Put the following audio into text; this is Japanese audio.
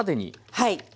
はい。